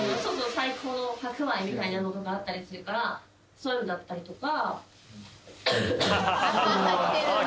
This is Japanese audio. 最高の白米みたいなのとかあったりするからそういうのだったりとか。